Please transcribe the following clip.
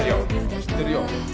知ってるよ